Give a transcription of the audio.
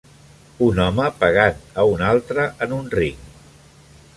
Un home pegant a un altre en un ring.